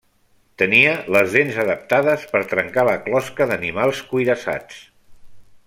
Tenia les dents adaptades per trencar la closca d'animals cuirassats.